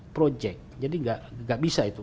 project jadi nggak bisa itu